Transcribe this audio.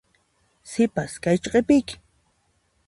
Sipas, kaychu q'ipiyki?